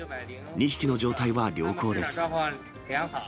２匹の状態は良好です。